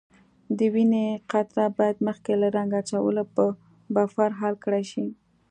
د وینې قطره باید مخکې له رنګ اچولو په بفر حل کړای شي.